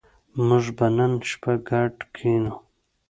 موږ به نن شپه ګډ کېنو